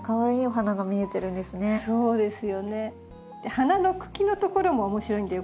花の茎のところも面白いんだよ